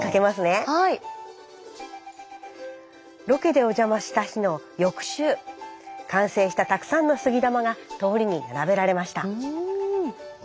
ロケでお邪魔した日の翌週完成したたくさんの杉玉が通りに並べられました。